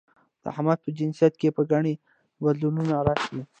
د احمد په جنسيت کې به ګنې بدلون راشي؟